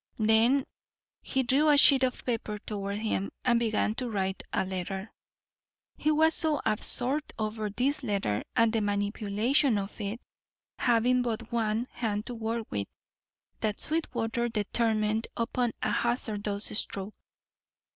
Then he drew a sheet of paper toward him, and began to write a letter. He was so absorbed over this letter and the manipulation of it, having but one hand to work with, that Sweetwater determined upon a hazardous stroke.